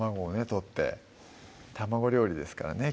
取って卵料理ですからね